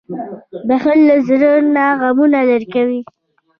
• بښل له زړه نه غمونه لېرې کوي.